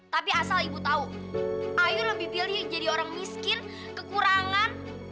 tapi asal ibu tahu ayo lebih pilih jadi orang miskin kekurangan